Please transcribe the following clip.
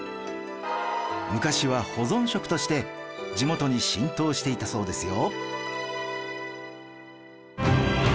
昔は保存食として地元に浸透していたそうですよ